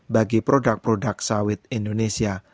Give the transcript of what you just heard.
bagi produk produk sawit indonesia